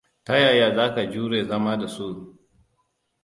Ta yaya za ka jure zama da su?